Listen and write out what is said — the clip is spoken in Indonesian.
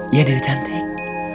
iya diri cantik